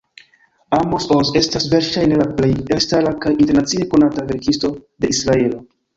Amos Oz estas verŝajne la plej elstara kaj internacie konata verkisto de Israelo.